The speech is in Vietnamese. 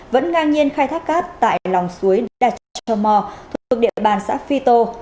vẫn ngang nhiên khai thác cát tại lòng suối đà trà mò thuộc địa bàn xã phi tô